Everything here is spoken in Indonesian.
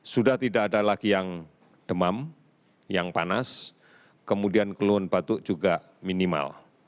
sudah tidak ada lagi yang demam yang panas kemudian keluhan batuk juga minimal